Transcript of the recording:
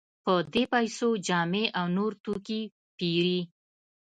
په دې پیسو جامې او نور توکي پېري.